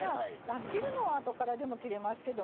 切るのはあとからでも切れますけどもね